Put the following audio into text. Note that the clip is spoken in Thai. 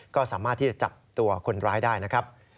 ก็สามารถที่จะจับตัวคนร้ายได้นะครับ